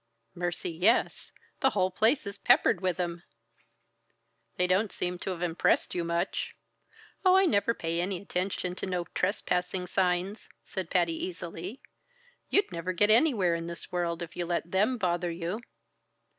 "Mercy, yes! The whole place is peppered with 'em." "They don't seem to have impressed you much." "Oh, I never pay any attention to 'No Trespassing' signs," said Patty easily. "You'd never get anywhere in this world if you let them bother you."